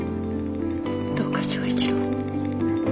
どうか正一郎を。